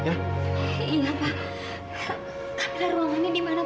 camilla ruangannya dimana pak